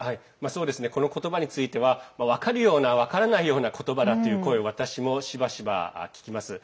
この言葉については分かるような分からないようだという声を私もしばしば聞きます。